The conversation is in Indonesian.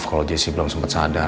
maaf kalau jessy belum sempet sadar